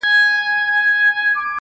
• و ماته عجيبه دي توري د .